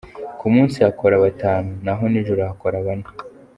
Ku munsi hakora batanu na ho nijoro hakora bane.